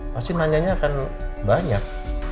pasti nanyanya akan banyak